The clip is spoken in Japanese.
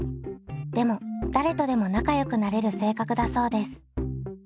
でも誰とでも仲よくなれる性格だそうです。